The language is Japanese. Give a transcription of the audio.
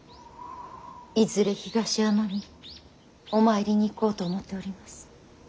いずれ東山にお参りに行こうと思っております。